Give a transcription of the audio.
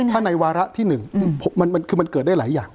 ถ้าในวาระที่หนึ่งอืมมันมันคือมันเกิดได้หลายอย่าง